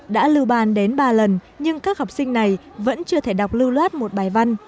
đã lưu bàn đến ba lần nhưng các học sinh này vẫn chưa thể đọc lưu loát một bài văn